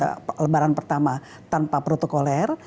kita lebaran pertama tanpa protokoler